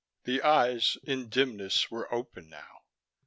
The eyes, in dimness, were open now.